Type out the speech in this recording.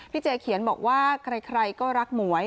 เจเขียนบอกว่าใครก็รักหมวย